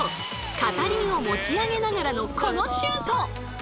片輪を持ち上げながらのこのシュート！